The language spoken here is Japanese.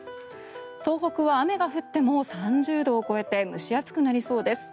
東北は雨が降っても３０度を超えて蒸し暑くなりそうです。